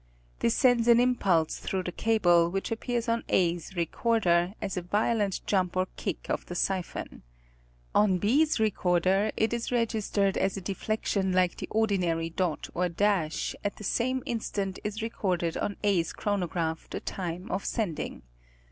This sends an impulse through the cable, which appears on A's recorder, as a violent jump or kick of the siphon. On B's recorder it is registered as a deflection like the ordinary dot or dash, at the same instant is recorded on A's chronograph the time of sending.